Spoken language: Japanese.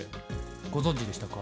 ご存じでしたか？